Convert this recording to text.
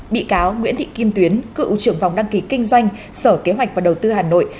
bị cáo nguyễn thị kim tuyến cựu trưởng phòng đăng ký kinh doanh sở kế hoạch và đầu tư hà nội